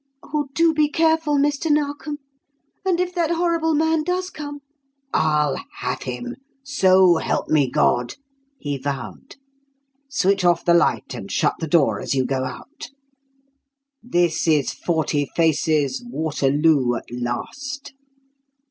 Oh, do be careful, Mr. Narkom; and if that horrible man does come " "I'll have him, so help me God!" he vowed. "Switch off the light, and shut the door as you go out. This is 'Forty Faces'' Waterloo at last."